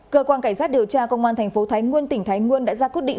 cơ quan cảnh sát điều tra công an tp thái nguân tỉnh thái nguân đã ra quyết định